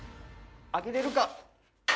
上げれるか？